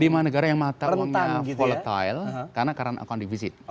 lima negara yang mata uangnya volatile karena account divisi